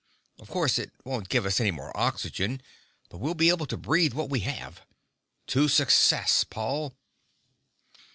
Of course, it won't give us any more oxygen, but we'll be able to breathe what we have. To success, Paul!"